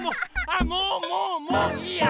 あもうもうもういいや！